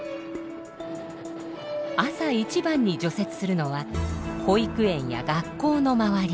朝一番に除雪するのは保育園や学校の周り。